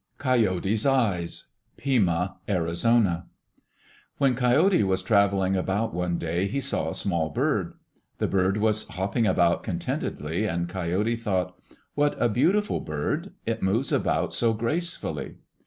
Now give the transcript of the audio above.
Coyote's Eyes Pima (Arizona) When Coyote was travelling about one day, he saw a small bird. The bird was hopping about contentedly and Coyote thought, "What a beautiful bird. It moves about so gracefully."